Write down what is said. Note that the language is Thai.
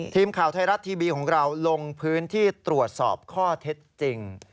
ทีมข่าวไทยรัฐทีวีของเราลงพื้นที่ตรวจสอบข้อเท็จจริง